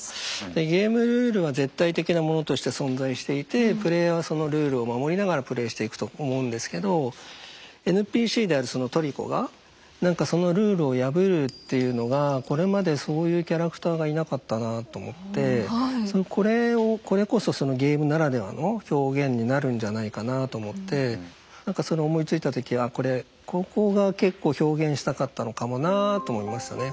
でゲームルールは絶対的なものとして存在していてプレイヤーはそのルールを守りながらプレイしていくと思うんですけどＮＰＣであるそのトリコが何かそのルールを破るっていうのがこれまでそういうキャラクターがいなかったなあと思ってこれをこれこそそのゲームならではの表現になるんじゃないかなあと思って何かそれ思いついた時はこれここが結構表現したかったのかもなと思いましたね。